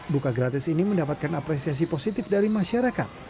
buka gratis ini mendapatkan apresiasi positif dari masyarakat